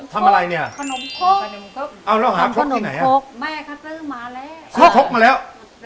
ซื้อโคกมาแล้ว